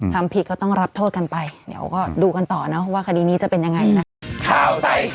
ทำผิดก็ต้องรับโทษกันไปเดี๋ยวก็ดูกันต่อนะว่าคดีนี้จะเป็นยังไงนะ